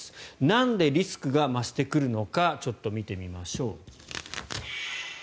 なんでリスクが増してくるのか見てみましょう。